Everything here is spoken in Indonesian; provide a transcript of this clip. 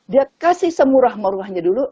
dia kasih semurah murahnya dulu